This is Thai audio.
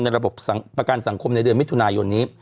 ระบบประกันสังคมในเดือนมิถุนายนนี้